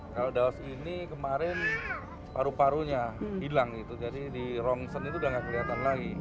kalau daus ini kemarin paru parunya hilang jadi di rongsen itu sudah nggak kelihatan lagi